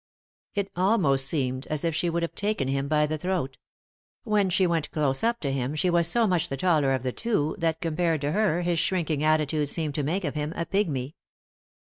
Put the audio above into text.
It almost seemed as if she would have taken him by the throat. When she went close up to him she was so much the taller of the two that, compared to her, his shrinking attitude seemed to make of him a pigmy.